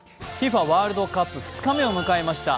ワールドカップ２日目を迎えました。